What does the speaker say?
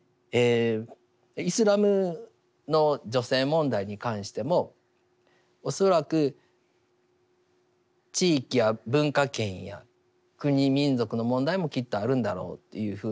イスラムの女性問題に関しても恐らく地域や文化圏や国民族の問題もきっとあるんだろうというふうに思います。